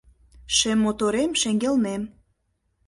Шем моторем шеҥгелнем.